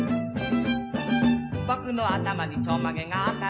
「ぼくのあたまにちょんまげがあったら」